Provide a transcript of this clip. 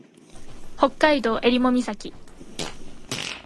北海道襟裳岬